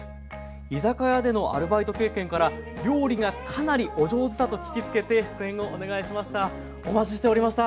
居酒屋でのアルバイト経験から料理がかなりお上手だと聞きつけて出演をお願いしました。